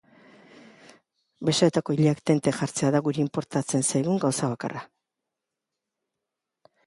Besoetako ileak tente jartzea da guri inportatzen zaigun gauza bakarra.